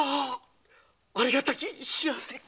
ありがたき幸せ！